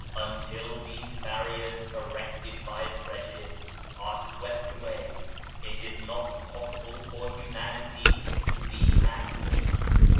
Until all these barriers erected by prejudice are swept away, it is not possible for humanity to be at peace.